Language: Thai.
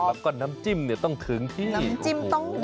และก็น้ำจิ้มต้องถึงที่น้ำจิ้มต้องเด็ด